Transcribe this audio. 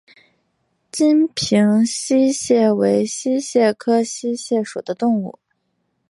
金平溪蟹为溪蟹科溪蟹属的动物。